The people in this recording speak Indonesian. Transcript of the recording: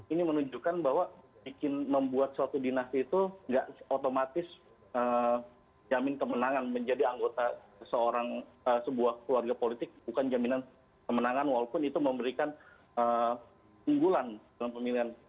ini menunjukkan bahwa membuat suatu dinasti itu nggak otomatis jamin kemenangan menjadi anggota sebuah keluarga politik bukan jaminan kemenangan walaupun itu memberikan unggulan dalam pemilihan